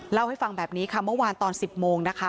เล่าให้ฟังแบบนี้ค่ะเมื่อวานตอน๑๐โมงนะคะ